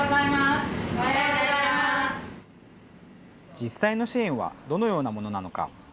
実際の支援はどのようなものなのか。